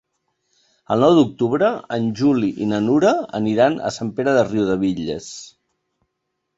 El nou d'octubre en Juli i na Nura aniran a Sant Pere de Riudebitlles.